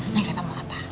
neng reva mau apa